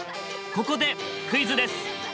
ここでクイズです！